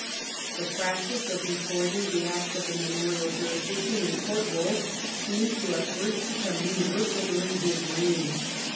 The practice of recording the acts of the manorial jurisdiction in court rolls seems to have first become universal during his reign.